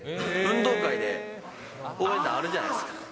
運動会で応援団あるじゃないですか。